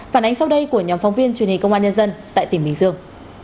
phản ánh sau đây của nhóm phóng viên truyền hình công an nhân dân tại tỉnh bình dương